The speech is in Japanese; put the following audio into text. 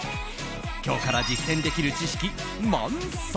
今日から実践できる知識満載。